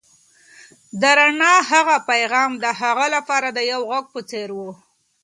د رڼا هغه پیغام د هغه لپاره د یو غږ په څېر و.